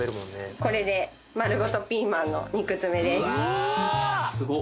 これで丸ごとピーマンの肉詰めですうわー！